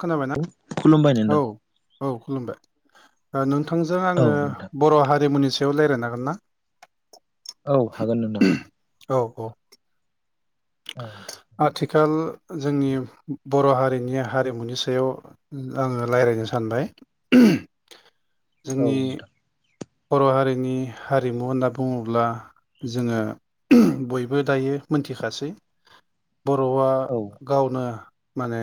खोनाबायना खुलुमबायाय औ नोंथां औ खुलुमबाय नोंथांजों औ आङो नोंथां बर' हारिमुनि सायाव रायलायनो हागोन ना औ हागोन नोंथां औ औ औ आथिखाल जोंनि बर' हारिनि हारिमुनि सायाव आङो रायलायनो सान बाय औ जोंनि नोंथां बर' हारिनि हारिमु होनना बुङोब्ला जोङो बयबो दायो मोनथिखासै बर'आ औ गावनो माने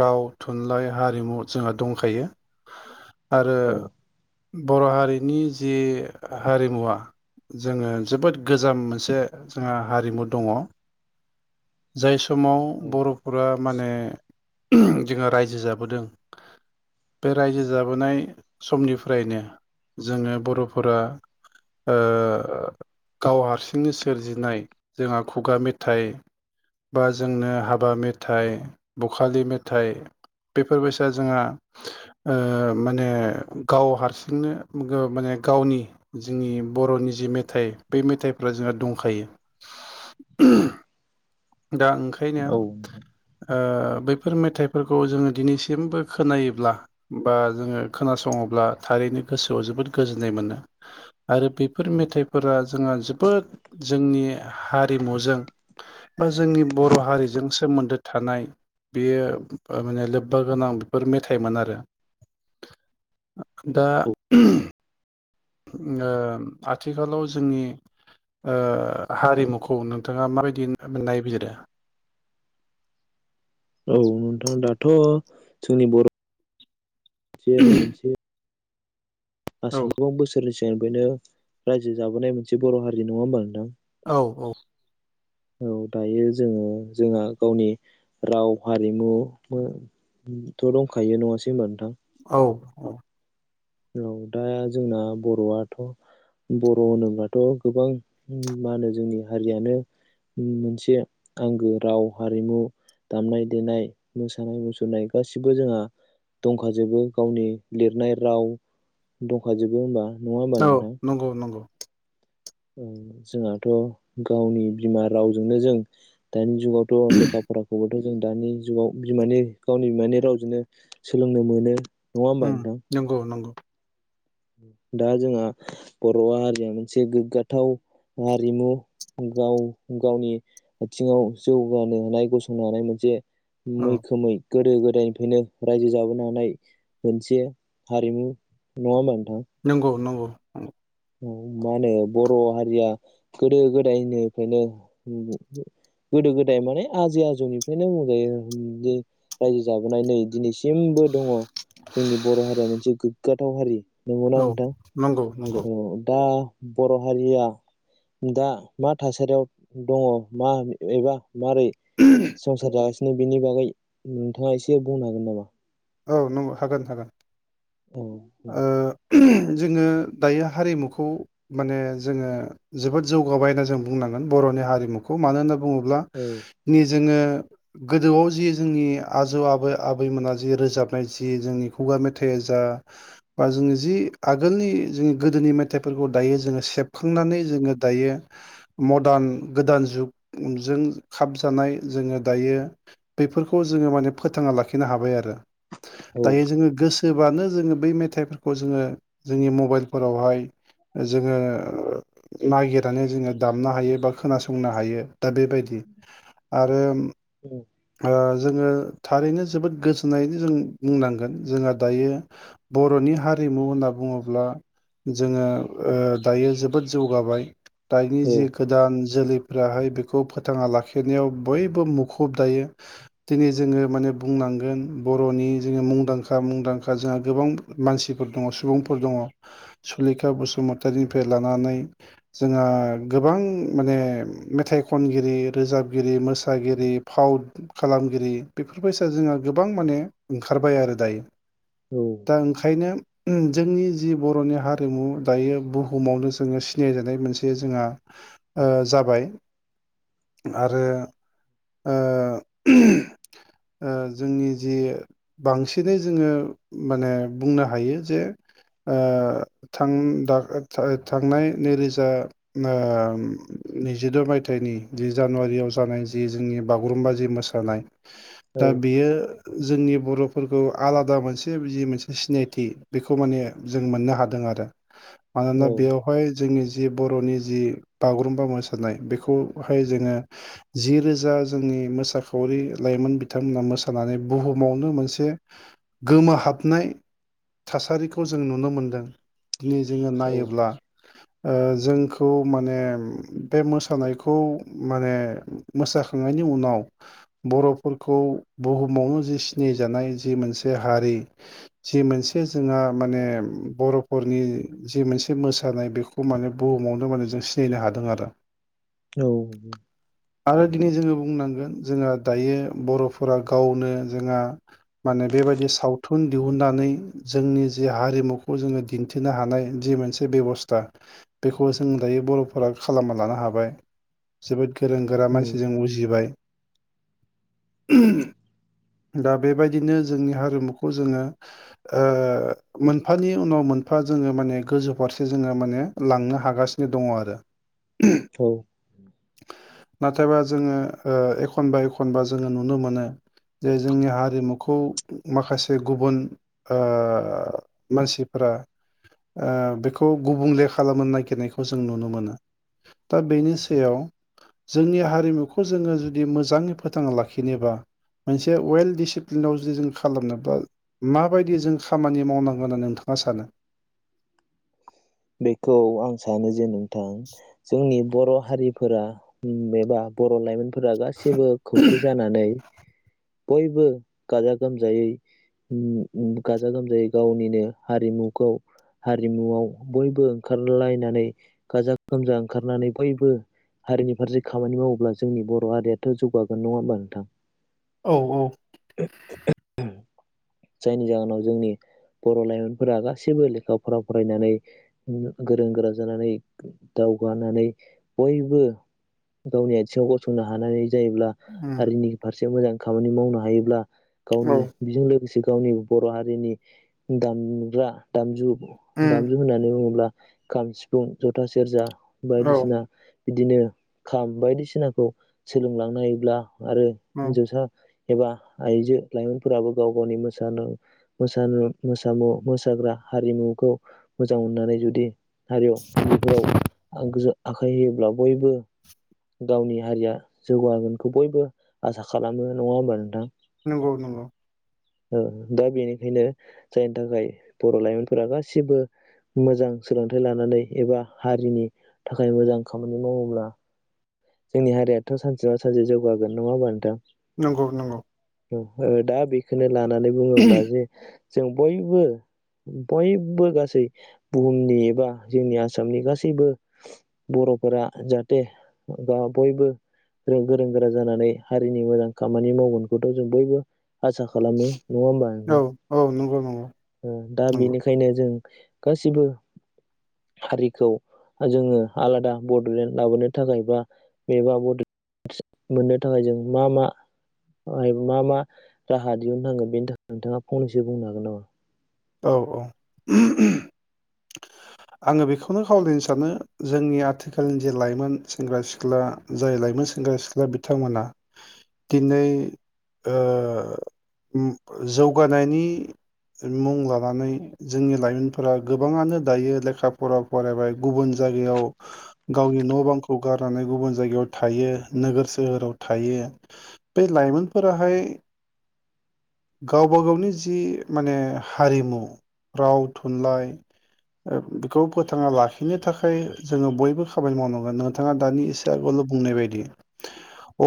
राव थुनलाइ हारिमु जोंहा दंखायो। आरो औ बर' हारिनि जि हारिमुवा जोङो जोबोद गोजाम मोनसे जोंहा हारिमु दङ जाय समाव बर'फोरा माने जोंहा रायजो जाबोदों बे रायजो जाबोनाय समनिफ्रायनो जोङो बर'फोरा ओ गाव हारसिंनो सोरजिनाय जोंहा खुगा मेथाइ बा जोंनो हाबा मेथाइ बखालि मेथाइ बेफोरबायसा जोंहा माने गाव हारसिंनो माने गावनि जोंनि बर'नि जि मेथाइ बे मेथाइफ्रा जोंहा दं खायो दा ओंखायनो औ नोंथां ओ बैफोर मेथाइफोरखौ जोङो दिनैसिमबो खोनायोब्ला बा जोङो खोनासङोब्ला थाय बेनि गोसोआव जोबोद गोजोन्नाय मोनो आरो बेफोर मेथाइफोरा जोंहा जोबोद जों नि हारिमुजों बा जोंनि बर' हारिजों सोमोन्दो थानाय बेयो माने लोब्बा गोनां बेफोर मेथाइमोन आरो दा ओ आथिखालाव जोंनि ओ हारिमुखौ नोंथाङा माबायदि नायबिजिरो? औ नोंथां दाथ' जोंनि बर' जे मोनसे औ आसाम गोबां बोसोरनि सिगांफ्रायनो रायजो जाबोनाय मोनसे बर' हारि नङा होमबा नोंथां? औ औ औ दायो जोङो जोंहा गावनि राव हारिमुमो [unintelligible] थ' दंखायो नङासै होमबा नोंथां? औ औ औ दा जोंना बर'आथ' बर' होनोब्लाथ' गोबां मा होनो जोंनि हारियानो मोनसे आंगो राव हारिमु दामनाय देनाय मोसानाय मुसुरनाय गासिबो जोंहा दंखाजोबो गावनि लिरनाय राव दंखाजोबो होमबा नङा होमबा औ नोंथां नंगौ नंगौ जोंहाथ' गावनि बिमा रावजोंनो जों दानि जुगावथ' लेखा फाराखौबो थ' जों दानि जुगाव बिमानि गावनि बिमानि रावजोंनो सोलोंनो मोनो। होमबा ओ नोंथां नंगौ नंगौ दा जोंहा बर' हारिया मोनसे गोग्गाथाव हारिमु गाव गावनि आथिङाव जौगानो हानाय गसंनो हानाय मोनसे औ मैखोमै गोदो गोदायनिफ्रायनो रायजो जाबोनो हाय मोनसे हारिमु नङामोन नंगौ नंगौ नंगौ मा होनो बर' हारिया गोदो गोदायनिफ्रायनो गोदो गोदाय माने आजै आजौनिफ्रायनो बुंजायो रायजो जाबोनाय नै दिनैसिम बो दङ जोंनि बर' हारिया मोनसे गोग्गाथाव हारि नंगौना औ नोंथां नंगौ नंगौ औ दा बर' हारिया दा मा थासारियाव दङ मा एबा मारै संसार जागासिनो बेनि बागै नोंथाङा एसे बुंनो हागोन नामा औ नंगौ हागोन हागोन औ औ ओ जोङो दायो हारिमुखौ माने जोङो जोबोद जौगाबाय होनना जों बुंनांगोन बर'नि हारिमुखौ मानो होनोब्ला औ ब्ला जोङो गोदोआव जि जोंनि आजौ आबै आबैमोना जि रोजाबनाय जि जोंनि खुगा मेथाइया जा बा जोंनि जि आगोलनि गोदो नि मेथाइफोरखौ दायो जोङो सेबखांनानै जोङो दायो मडार्न गोदान जुग जों खाबजानाय जोङो दायो बेफोरखौ जोङो माने फोथाङा लाखिनो हाबाय आरो औ दायो जोङो गोसो जाबानो जोङो बै मेथाइफोरखौ जोङो जोंनि मबाइलफोरावहाय जोङो नागिरनानै जोङो दामनो हायो बा खोनासंनो हायो दा बेबायदि आरो औ ओ जोङो थारैनो जोबोद गोसो जोननायखौ जों बुंनांगोन जोंहा दायो बर'नि हारिमु होनना बुङोब्ला जोङो ओ दायो जोबोद जौगाबाय दानि औ जे गोदान जोलैफोराहाय बेखौ फोथाङा लाखिनायाव बयबो मुखुब दायो दिनै जोङो माने बुंनांगोन बर'नि जोङो मुंदांखा मुंदांखा जोंहा गोबां मानसिफोर दङ सुबुंफोर दङ सुलेखा बसुमतारीनिफ्राय लानानै जोंहा गोबां माने मेथाइ ख खनगिरि रोजाबगिरि मोसागिरि फाव खालामगिरि बेफोरबायसा जोंहा गोबां माने ओंखारबाय आरो दायो दा ओंखायनो जोंनि जि बर'नि हारिमु दायो बुहुमावनो जोङो सिनायजानाय मोनसे जोंहा ओ जाबाय आरो जोंनि जि बांसिनै जोङो माने बुंनो हायो जे ओ थांनाय नैरोजा ओ नैजिद' मायथाइनि जि जानुवारियाव जानाय जि जोंनि बागुरुम्बा जि मोसानाय औ दा बेयो जोंनि बर'फोरखौ आलादा मोनसे जि मोनसे सिनायथि बेखौ माने जों मोननो हायो हादों आरो मानोना बेयावहाय जोंनि जि बर'नि जि बागुरुम्बा मोसानाय बेखौहाय जोङो जिरोजा जोंनि मोसाखावरि लाइमोन बिथांमोना मो मोसानानै बुहुमावनो मोनसे गोमोहाबनाय थासारिखौ जों नुनो मोनदों दिनै जोङो औ नायोब्ला ओ जोंखौ माने बे मोसानायखौ माने मोसाखांनायनि उनाव बर'फोरखौ बुहुमावनो जि सिनायजानाय जि मोनसे हारि जि मोनसे जोंहा माने बर'फोरनि जि मोनसे मोसानाय बेखौ माने बुहुमावनो माने जों सिनायनो हादों आरो औ आरो दिनै जोङो बुंनांगोन जोंहा दायो बर'फो फोरा गावनो जोंहा माने बेबायदि सावथुन दिहुननानै जोंनि जि हारि मुखौ जोङो दिन्थिनो हानाय जि मोनसे बेब'स्था बेखौ जों दायो बर'फोरा खालामा लानो हाबाय जोबोद गोरों गोरा औ मानसिजों उजिबाय [unintelligible] दा बेबायदिनो जोंनि हारिमुखौ जोङो ओ मोनफानि उनाव मो फा जोङो माने गोजौ फारसे जोङो माने लांनो हागासिनो दङ आरो औ नाथायबा जोङो ओ एखनबा एखनबा जोङो नुनो मोनो जे जोंनि हारिमुखौ माखासे गुबुन ओ मानसिफोर ओ बेखौ गुबुंले खालामनो नागिरनायखौ जों नुनो मोनो दा बेनि सायाव जोंनि हारिमुखौ जोङो जुदि मोजाङै फोथांना लाखिनोबा मोनसे वेल दिडिसिप्लिनआव जुदि जों खालामनोबा माबायदि जों खामानि मावनांगोन होनो नोंथां मा सानो बेखौ आं सानो जे नोंथां जोंनि बर' हारिफोरा उम एबा बर' लाइमोनफोरा गासिबो खौसे जानानै [inaudible] बयबो गाजा गोमजायै उम उम गाजा गोमजायै गावनिनो हारिमुखौ हारिमुआव बयबो ओंखारलायनानै गाजा गोमजा ओंखारनानै बयबो हारिनि फारसे खामानि मावोब्ला जोंनि बर' हारियाथ' जौगागोन नङा होमबा नोंथां औ औ [unintelligible] जायनि जाहोनाव जोंनि बर' लाइमोनफोरा गासैबो लेखा फरा फरायनानै गोरों गोरा जानानै गो दा जौगानानै बयबो गावनि आथिङाव गसंनो हानाय जायोब्ला हारिनि फारसे मोजां खामानि मावनो हायोब्ला उम गावनि औ बेजों लोगोसे गावनि बर' हारिनि दामग्रा दामजु उम दामजु होननानै बुङोब्ला खाम सिफुं जथा सेरजा औ बायदिसिना बिदिनो खाम बायदिसिनाखौ सोलोंलांनो हायोब्ला आरो औ हिनजावसा एबा आइजो लाइमोनफोराबो गाव गावनि मोज सानो मोसानु मोसामु मोसाग्रा हारिमुखौ मोजां मोननानै जुदि हारियाव बेफोराव आंगोजो आखाइ होयोब्ला बयबो गावनि हारिया जौगागोनखौ बयबो आसा खालामो नङा होमबा नोंथां नंगौ नंगौ ओ दा बेनिखायनो जायनि थाखाय बर' लाइमोनफोरा गासिबबो मोजां सोलोंथाइ लानानै एबा हारिनि थाखाय मोजां खामानि मावोब्ला जोंनि हारियाथ' सानसे नङा सानसे जौगागोन नङा होमबा नोंथां नंगौ नंगौ औ ओ दा बेखौनो लानानै बुङोब्ला जे जों बयबो बयबो गासै बुहुमनि एबा जोंनि आसामनि गासैबो बर' र'फोरा जाहाथे बा बयबो रो गोरों गोरा जानानै हारिनि मोजां खामानि मावगोनखौथ' जों बयबो। आसा खालामो नङा होमबा औ नोंथां औ नंगौ नंगौ ओ दा नंगौ बेनिखायनो जों गासिबो हारिखौ जोङो आलादा बड'लेण्ड लाबोनो थाखाय बा। बेबा [unintelligible] मोननो थाखाय जों मा मा मा मा राहा दिहुननो नांगोन बेनि थाखाय नोंथाङा फंनैसो बुंनो हागोन नामा। औ औ। आङो बेखौनो खावलायनो सानो जोंनि आथिखालनि जे लाइमोन सेंग्रा सिख्ला जाय लाइ। मोन सेंग्रा सिख्ला बिथांमोना दिनै। जौगानायनि। मुं लानानै जोंनि लाइमोनफोरा गोबाङानो दायो लेखा फरा फरायबाय गुबुन जायगायाव गावनि न' बांखौ गारनानै गुबुन जायगायाव थायो। नोगोर सोहोराव थायो बे लाइमोनफोराहाय गावबा गावनि जि माने हारिमु राव थुनलाइ बेखौ फोथाना लाखिनो थाखाय जोङो बयबो खामानि मावनांगोन नोंथाङा दानि एसे आगोल। बुंनाय बायदि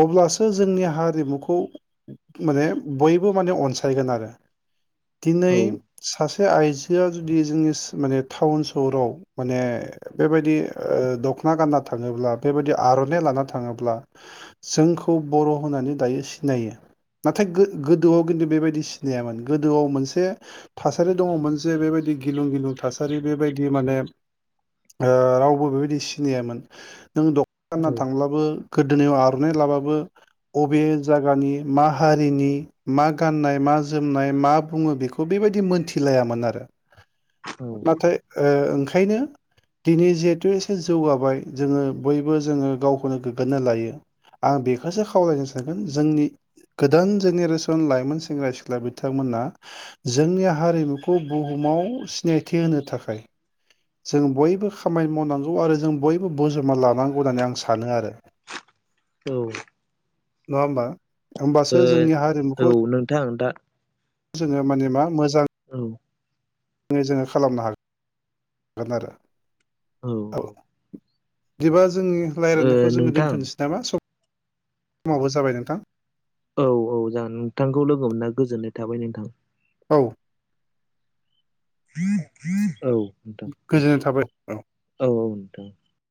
अब्लासो जोंनि हारिमुखौ माने बयबो माने अनसायगोन आरो औ दिनै। सासे आइजोआ जुदि जोंनि माने टाउन सहराव माने बेबायदि। दख'ना गानना थाङोब्ला बेबायदि आर'नाइ लाना थाङोब्ला जोंखौ बर' होननानै दायो। सिनायो नाथाय गोदोआव खिन्थु बेबायदि सिनायामोन गोदोआव मोनसे थासारि दङमोन जे बेबायदि गिलुं गिलुं थासारि बेबायदि माने रावबो बेबायदि सिनायामोन नों दख ना गानना औ थांब्लाबो गोदोनायाव आर'नाइ लाबाबो बबे जायगानि मा हारिनि मा गाननाय मा जोमनाय मा बुङो बेखौ बेबायदि मोनथिलायामोन आरो औ नाथाय ओंखायनो। दिनै जिहेथु एसे जौगाबाय जोङो बयबो जोङो गावखौनो गोग्गोनो लायो आं बेखौसो खावलायनो सोनगोन जोंनि गोदान जेनेरेसन लाइमोन सेंग्रा सिख्ला बिथांमोना जोंनि हारिमुखौ बुहुमाव सिनायथि। होनो थाखाय जों बयबो खामानि मावनांगौ आरो जों बयबो बजबना लानांगौ होननानै आं सानो आरो। [inaudible] औ। नङा होमबा ओ होमबासो जोंनि हारिमुखौ औ नोंथां दा। जोङो माने मा मोजां। औ। ङै जोङो खालामनो हागोन आरो औ औ बिदिबा जोंनि ओ रायज्लायनायखौ जोङो नोंथां दोन्थ'नोसै नामा सम समावबो जाबाय नोंथां औ औ जागोन नोंथांखौ लोगो मोनना गोजोननाय थाबाय नोंथां। [unintelligible] औ नोंथां दे गोजोननाय थाबाय औ औ औ नोंथां।